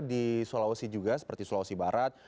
di sulawesi juga seperti sulawesi barat